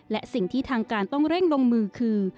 และสิ่งที่ทางการต้องเร่งลงมือคือ